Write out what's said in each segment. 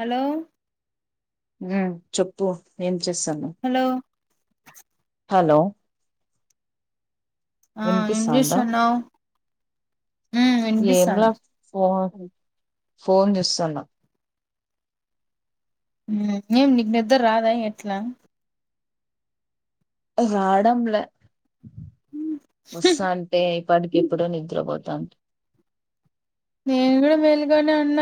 Hello ఉ చెప్పు ఏం చేస్సాను హలో హలో ఆ ఏం వినిపిస్తంద చేస్తున్నావ్ ఉమ్ ఏం లా వినిపిస్తాంది ఫో ఫోన్ చూస్తన ఏం నీకు నిద్దర రాద ఎట్ల రాడంలె వస్తంటే ఇప్పటికి ఇప్పుడె నిద్రపొతాద్ నేను గూడా మేల్కొనె ఉన్న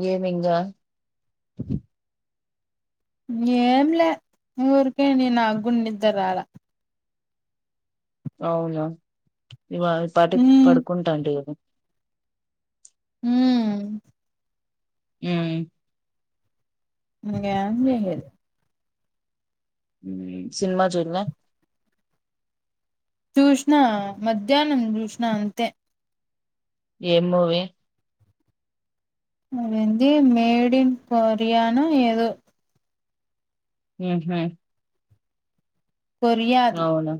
గేమింగా ఏంలే ఊరికెనే నాక్ కూడా నిద్రరాల అవున ఇవాళ బతుక్ ఉమ్ పడుకుంటఅండి ఉమ్ ఉమ్ [unintelligible] ఉమ్ సినిమా చూడ్లె చుసిన మధ్యనం చుసిన అంతె ఏం మూవి అదిఏంది మెడిన్ కొరియన్ఒ ఎదొ ఉమ్ హు కొర్యాది అవునా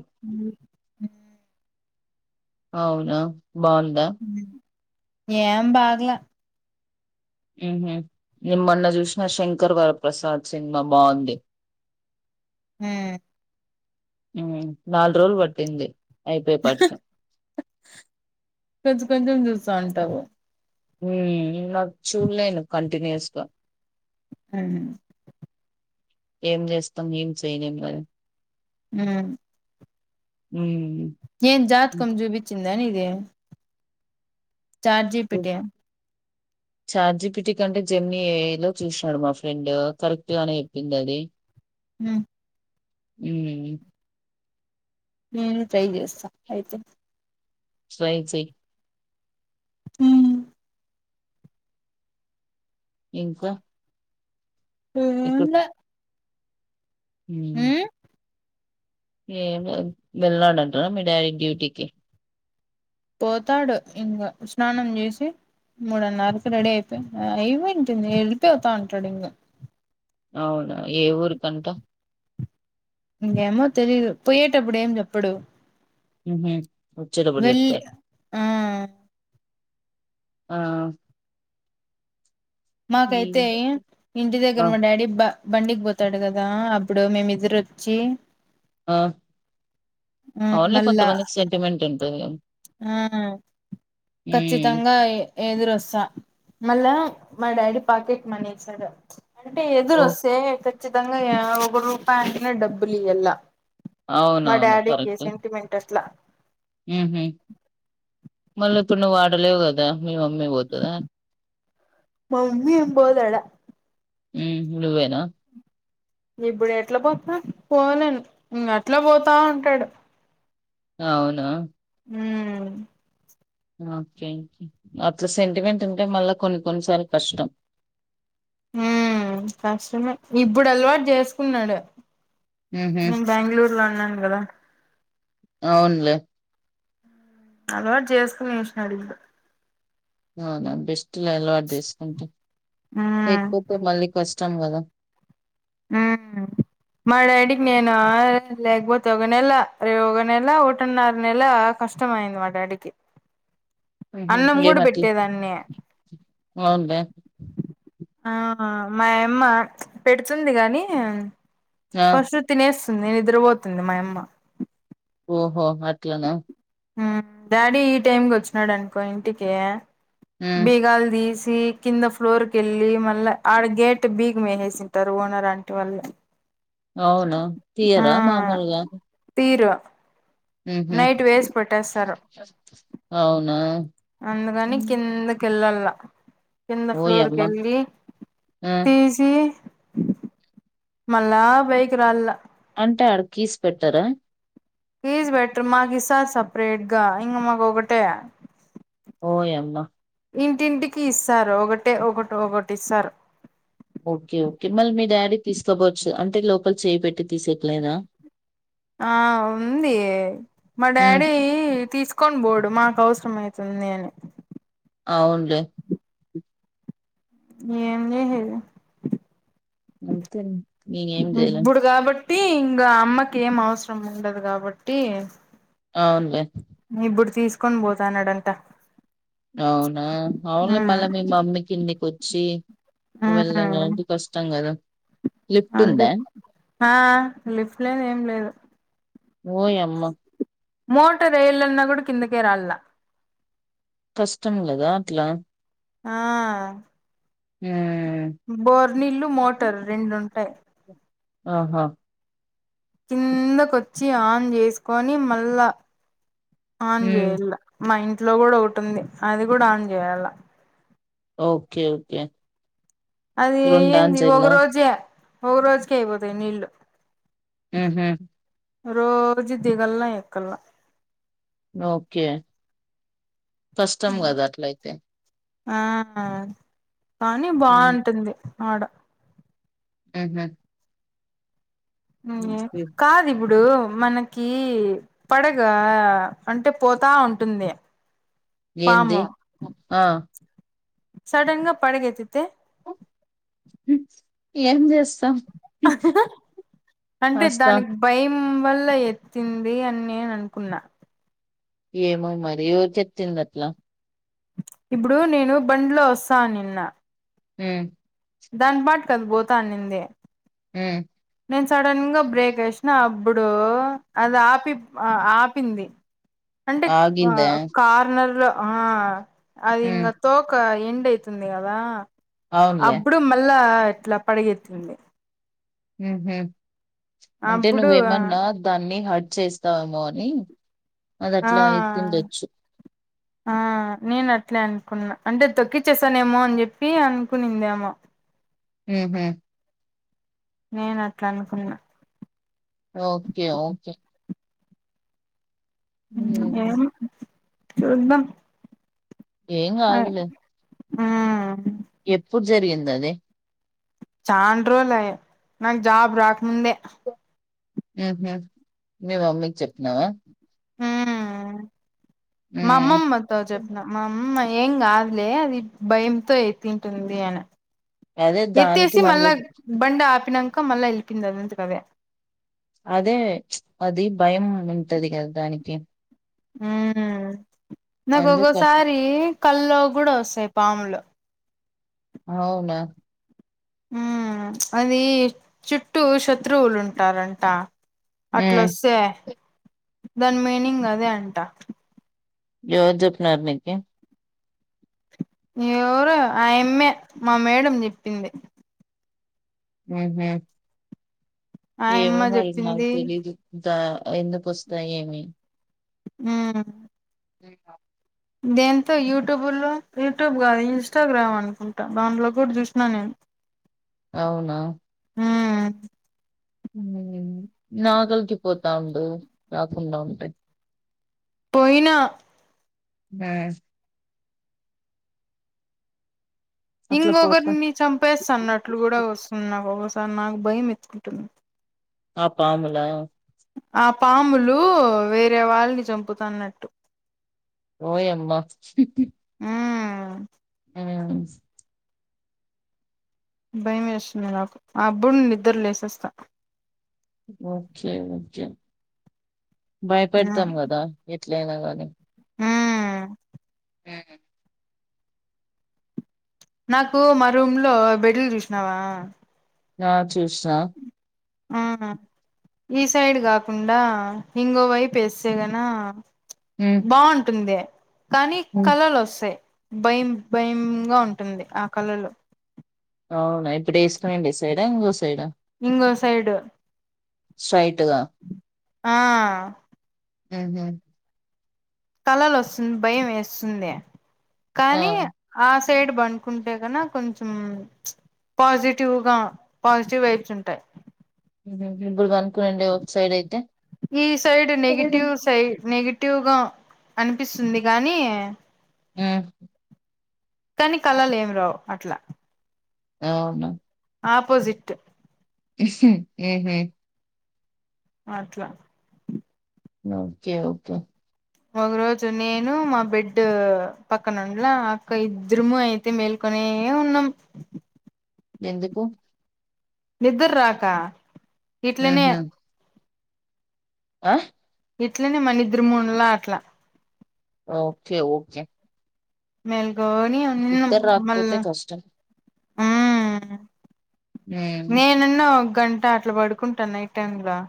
అవునా బావుందా ఏం బాగలే మ్ హ్ నేన్ మొన్న చూశిన శంకర్ వరప్రసాద్ సిన్మా బాగుంది. [inaudible] మ్ ఉమ్ నల్రోలు వట్టింది అయిపోయె పాటికె కొంచం కొంచం చూస్తావుంటవు ఉమ్ నాక్ చూడలేను కంటిన్యూస్గా మ్ ఏం జేస్తాం ఏం చేయలేం గద మ్ ఉమ్ ఏన్ జాతకం జూబించిందా నీది చాట్ జి పీ ఇప్పుడు టి చాట్ జిపిటి కంటే జమ్నీ ఏఐ లో చూసినాడు మా ఫ్రెండ్ కరెక్ట్ గానే చెప్పిందది. మ్ మ్ మ్ నేను ట్రై జేస్తా ఆయితే ట్రై చెయ్ మ్ ఇంకా ఏం లే మ్ ఏం లేద్ వెళ్నాడంటన మీ డాడీ డ్యూటీకి. పోతాడు ఇంగ స్నానం జేసి మూడున్నరకు రెడీ అయిపోయి అయిపోయివుంటుంది వెళ్ళిపోతా ఉంటాడ్ ఇంగ అవునా ఏ ఊరికంత ఏమో తెలీదు పోయేటప్పుడు ఏం చెప్పుడు. హుహు. వచ్చేటప్పుడు వెళ్ జెప్తారు. ఆ ఆ హ్మ్. మాకైతే ఇంటి ఆ! దగ్గర మా డాడీ బ బండికి పోతాడ్ గదా అప్పుడు మేమిద్దరోచ్చి ఆ ఆ అవున్లే మళ్ళా కొంతమందికి సెంటిమెంట్ ఉంటుంది. ఆ ఖచ్చితంగా ఎ ఎదురొస్తా మళ్ళా మా డాడీ పాకెట్ మనీ ఇస్తాడు అంటే ఓహ్! ఎదురొస్తే ఖచ్చితంగా యా ఒకరూపాయి అంటేనే డబ్బుల్ ఈయళ్ళ మా అవునవును. డాడీకే కరెక్ట్. సెంటిమెంట్ అట్లా మళ్ళీప్పుడు నువ్ ఆడలేవు గదా మీ మమ్మీ వోతదా? మమ్మీ ఏం బొద్ ఆడ మ్ నువ్వేనా? ఇప్పుడ్ ఎట్లా పోతా పోన్ నేను అట్లా పోతా ఉంటాడు. అవునా ఉమ్ ఓకే అట్లా సెంటిమెంట్ ఉంటే మళ్ళ కొన్ని కొన్నిసార్లు కష్టం. మ్ కష్టమే ఇప్పుడ్ అల్వాట్ చేస్కున్నాడు. ఉహు నేన్ బెంగుళూర్ ఉన్నాన్ గదా అవున్లే. అలవాట్ జేస్కునేశినాడు ఇంకా అవునా బెస్ట్లా అలవాట్ చేస్కుంటే ఉమ్ లేకపోతే మళ్ళీ కష్టం గదా మ డాడీక్ నేను లేక పోతే ఒక నెలా రె ఒక నెలా ఒక్కటినర నెలా బా కష్టమైంది మా డాడికి ఉహ్మ్ ఏమో తీ పెట్టేదాన్ని ఓ అవునులే ఆ మాయమ్మ పెడ్తుంది గనీ ఆ ఫస్ట్ తినేస్ నిద్రపోతుంది మాయమ్మ. ఓహో అట్లన. మ్ డాడీ ఈ టైమ్క్ వచ్చినాడన్కో ఇంటికీ ఉమ్ బీగాల్ తీస్ టి కింద ఫ్లోర్ కి వెళ్ళి మళ్ళా ఆడ గేట్ బీగ మేహేసింటారు ఓనర్ ఆంటి వాళ్ళు అవును ఆ తీయరా మామలుగా తీరు ఉహ్మ్ నైట్ వేసి పెట్టేస్తారు అవునా అందుకని ఉమ్, కిందకెల్లలా కింద ఫ్లోర్ ఓయమ్మ కెళ్ళి ఆ తీసి మళ్ళా పైకి రాల్లా అంటే అడకీస్ పెట్టరా కిజ్ బెటర్ మాకిసార్ సపరేట్గా ఇంగ మాకు ఒకటే ఓ యమ్మ ఇంటింటికి ఇస్తారు ఒకటే ఒకటి ఒకటి ఇస్తారు ఓకే ఓకే మళ్ళీ మీ డాడీ తీసుకోపోవచ్చు అంటే లోపల చేయి పెట్టి తీసెట్లేదా ఆ ఉంది మా హ్మ్. డాడీ తీసుక్ కోన్ బోడు మాకు అవసరం ఐతుందీ అని అవున్లె ఏంజేసేది అంతే న్ ఇగ ఏం చేయలేమ్ ట్టి ఇంగా అమ్మకి ఏం అవసరం ఉండదు కాబట్టి అవునులే కొన్ బోతనడంట అవునా అవున్లె మళ్ళ మీ మమ్మీ కిందికి వచ్చి వెల్లలనికి ఉమ్ ఇది కష్టం కదా అదే ఆ లిఫ్ట్ లేదు ఏం లేదు ఓ యమ్మా మోటర్ ఎళ్ళన్నా కూడా కిందకే రాళ్లా కష్టం గదా అట్లా ఆ ఉ బోర్నిళ్లు మోటార్ రెండుంటాయి ఆహా కిందకొచ్చి ఆన్ చేసుకొని మళ్ళా ఆన్ హ్మ్. చేయాల మా ఇంట్లో కూడా ఒకటింది అది కూడా ఆన్ చేయాల్ల ఓకే ఓకే అది రొండా ఏంది అంచెల్ల. ఒక రోజే ఒక రోజుకె అయిపోతాయి నీళ్ళు ఉ హు రోజు దిగల్లా ఎక్కల్లా ఓకే కష్టం కదా అట్లయితే ఆ అ కానీ బాగుంటుంది ఆడ ఉ హు కాద్ ఇప్పుడు మనకి పడగా అంటే పోతా ఉంటుంది ఎంది ఆ సడన్గా పడగేతితే ఏం చేస్ అంటే వస్తాం దానికి భయం వల్ల ఎత్తింది అని నేను అనుకున్నా ఏమో మరి ఏవరి చెప్తింది అట్లా ఇప్పుడు నేను బండ్లో ఒస్తా నిన్న ఉమ్ దాని బాటుకి అది పోత అన్నింది ఉమ్ నేను సడన్గా బ్రేక్ ఎసినా అబ్బుడు అది ఆపి ఆ ఆపింది అంటే ఆ ఆగిందా కార్నర్ లో ఆ అది ఉమ్ ఇంకా తోక ఎ అవుతుంది కదా అవునులే అప్పుడు మళ్ళా ఇట్లా పడగేతింది మ్ హు అంటే అప్పుడు నువ్వేమన్నా దాన్ని హడ్ చేస్తావేమొ అని అది ఆ అట్లా అయితుండొచ్చు ఆ నేను అట్లే అనుకున్నా అంటే తొక్కిచ్చేసానేేమో అని చెప్పి అనుకునిందేమో మ్ హుమ్మ్ నేను అట్లా అనుకున్నా ఓకే ఓకే ఉమ్ ఏం చూదాం ఎంగదులే ఆ జరిగిందది చన్ రోజులు లాయెనాకు జాబ్ రాకముందే మ్ హు మీ అమ్మీకి చెప్పినావా మ్ మా అమ్మమ్మతో ఉమ్ చెప్పిన మా అమ్మ ఐ ఏం కాదులే అది భయంతో ఎత్తుటుంది అనే అదే దానికి ఎత్తేసి మన మళ్ళా బండి ఆపినంక మళ్ళా వెల్లిపొఇంది అదంతటదే అదే అది భయం ఉంటది కదా దానికి మ్మ్ నాకు అందుకు అట్ల- ఒకొసారి కల్లో కూడా వస్తాయి పాములు అవునా మ్అది చుట్టూ శత్రువులు ఉంటారంట ఉమ్ అట్లొస్తే దాని మీనింగ్ అదే అంట ఎవరు చెప్పిన్నారు నికి ఎవరు ఆయమ్మే మా మేడం చెప్పింది మ్ హుమ్మ్ ఏమొ ఆయమ్మ మరి నాకు చెప్పింది తెలీదు దా ఎందుకు వస్తాయో ఏమి హుమ్ దేంతో యూట్యూబ్ లో యూట్యూబ్ కాదు ఇన్స్టాగ్రామ్ అనుకుంటా దాంట్లో కూడా చూసిన నేను అవునా ఉమ్ నాగలికి పోతా ఉండు రాకుండా ఉంటాయి పోయినా మ్ అట్లా పోతా ఇంకొకరిని చంపేస్తన్నట్లు కూడా వస్తుంది నాకి ఒకోసా నాకు భయం ఎత్తుకుంటుంది ఆ పాముల ఆ పాములు వేరే వాళ్ళని చంపుతున్నట్టు ఓయమ్మా ఉమ్ హు మ్ భయం వేస్తుంది నాకు అబ్బు నిద్ర లేచేస్తా ఓకే ఓకే ఉమ్ బయపెడోతం కదా ఎట్ లేనోగని ఉమ్ ఉం నాకు మా రూమ్ లో బెడ్లు చూసినావా ఆ చూసినా ఆ ఈ సైడ్ కాకుండా ఇంగో వైపుఏస్సేగనా బాగుంటుంది కానీ కళలు వస్తాయి భయం భయమ్గా ఉంటుంది ఆ కళలు అవునా ఇప్పుడ [unintelligible] సైడ ఇంగొ సైడ్ ఇంగో సైడు స్ట్రైటూగా ఆ కళలు ఒస్తుంది భయం ఎస్తుంది ఆ కానీ ఆ సైడ్ బంకుంటే కని కొంచెం పాజిటివ్గా పాజిటివ్ వైబ్స్ ఉంటాయి ఉహ్మ్ ముగ్గురు పనుకునుండే ఒక సైడ్ అయితే ఈ సైడ్ నెగిటివ్ హ్మ్ సై నెగి టివ్ గా అనిపిస్తుంది గానీ ఉమ్ కానీ కలలు ఏమి రావు అట్లా అవున ఆపోజిట్ ఉహ్మ్ అట్లా ఒకే ఒకే ఒగ రోజు నేను మా బెడ్ పక్కన ఉలా అక్క ఇద్దరుము అయితే మేల్కొ కోనే ఉన్నాం ఎందుకు నిద్దర రాక ఇట్లనే హుహు. ఆ ఇట్లనే మన ఇద్దరం ముంల అట్లా ఓకే ఓకే మెల్కొని ఉన్నాం ఇద్దరు మళ్ళ రాకపోతే కష్టం. హ్మ్. నేనన్నా ఒక గంట అట్లా పడుకుంటా నైట్ టైమ్లా